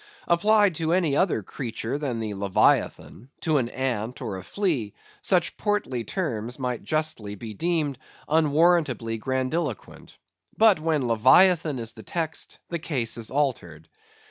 Applied to any other creature than the Leviathan—to an ant or a flea—such portly terms might justly be deemed unwarrantably grandiloquent. But when Leviathan is the text, the case is altered.